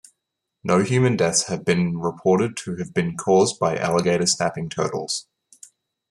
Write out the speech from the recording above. No human deaths have been reported to have been caused by alligator snapping turtles.